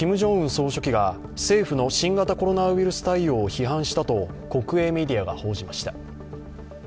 総書記が政府の新型コロナウイルス対応を批判したと国営メディアが報じました。